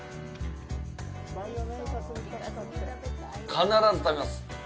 必ず食べます。